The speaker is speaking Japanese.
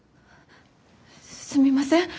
すみません。